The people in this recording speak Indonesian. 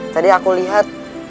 tadi aku lihat